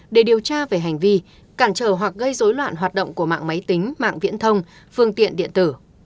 để điều tra về hành vi cản trở hoặc gây dối loạn hoạt động của mạng máy tính mạng viễn thông phương tiện điện tử